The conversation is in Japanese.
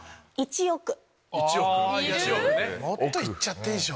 もっといっていいでしょ。